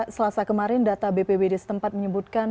selasa kemarin data bpbd setempat menyebutkan